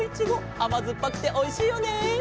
あまずっぱくておいしいよね。